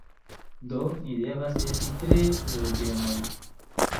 Do, ni devas esti tre zorgemaj